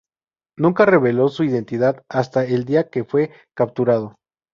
Nunca reveló su identidad hasta el día en que fue capturado.